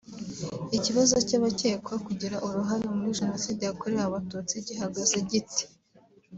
Ikibazo cy’abakekwa kugira uruhare muri Jenoside yakorewe Abatutsi gihagaze gite